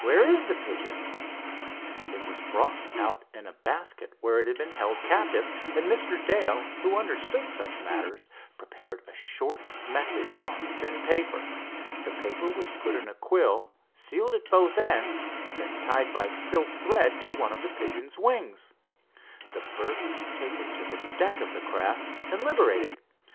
"Where is the pigeon?" It was brought out in the basket where it had been held captive, and Mr. Dale, who understood such matters, prepared a short message on thin paper. The paper was put in a quill, sealed at both ends, and then tied by silk thread to one of the pigeon's wings. The bird was taken to the deck of the craft and liberated.